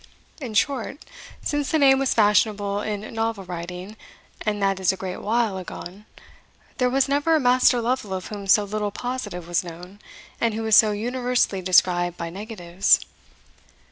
In short, since the name was fashionable in novel writing, and that is a great while agone, there was never a Master Lovel of whom so little positive was known, and who was so universally described by negatives.